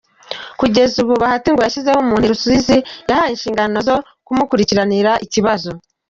Kugeza ubu Bahati ngo yashyizeho umuntu i Rusizi yahaye inshingano zo kumukurikiranira iki kibazo.